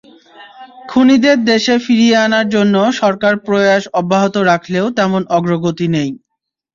খুনিদের দেশে ফিরিয়ে আনার জন্য সরকার প্রয়াস অব্যাহত রাখলেও তেমন অগ্রগতি নেই।